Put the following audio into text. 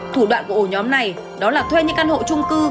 thủ đoạn của ổ nhóm này đó là thuê những căn hộ trung cư